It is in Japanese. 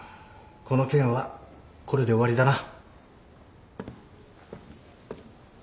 この件はこれで終わりだな。